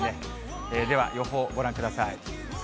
では予報、ご覧ください。